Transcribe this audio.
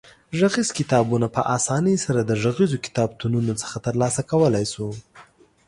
غږیز کتابونه په اسانۍ سره د غږیزو کتابتونونو څخه ترلاسه کولای شو.